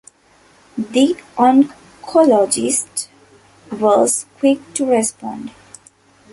The oncologist was quick to respond.